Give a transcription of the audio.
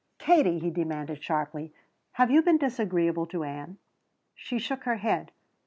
"Katie," he demanded sharply, "have you been disagreeable to Ann?" She shook her head.